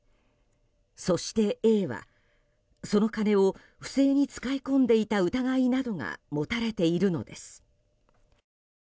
そしてＡは、その金を不正に使い込んでいた疑いなどが持たれているのです。